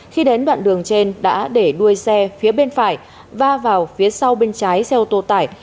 khi đến đoạn đường trên đã để đuôi xe phía bên phải và vào phía sau bên trái xe ô tô tải